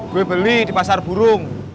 gue beli di pasar burung